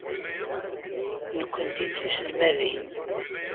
Nekkenti d tiselmadin.